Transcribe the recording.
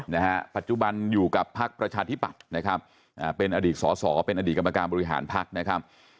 นะฮะปัจจุบันอยู่กับพักประชาธิปัตย์นะครับอ่าเป็นอดีตสอสอเป็นอดีตกรรมการบริหารพักนะครับ